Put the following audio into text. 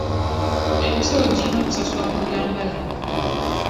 Emisolo girina okusasulwa mu bulambalamba.